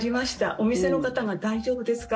お店の方が大丈夫ですか？